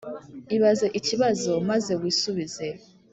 ibaze ikibazo maze wisubize